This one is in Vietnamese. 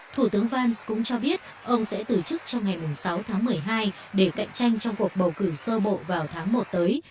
thủ tướng vans cũng cho biết ông sẽ từ chức trong ngày sáu tháng một mươi hai để cạnh tranh trong cuộc bầu cử sơ bộ vào tháng một tới